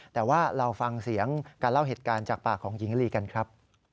แต่ว่าเราฟังเสียงการเล่าเหตุการณ์จากปากของหญิงลีกันครับ